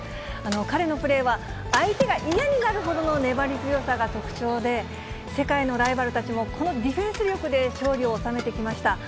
彼のプレーは、相手が嫌になるほどの粘り強さが特徴で、世界のライバルたちも、このディフェンス力で勝利を収めてきました。